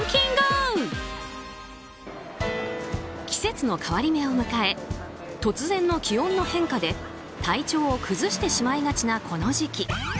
季節の変わり目を迎え突然の気温の変化で体調を崩してしまいがちなこの時期。